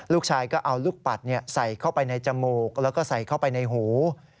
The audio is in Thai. ลูกชายก็เอาลูกปัดใส่เข้าไปในจมูกแล้วก็ใส่เข้าไปในหู